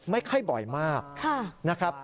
ไม่ค่อยบ่อยมากนะครับ